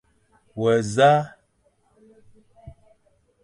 We nẑa ?